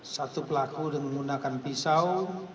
satu pelaku dengan menggunakan pisau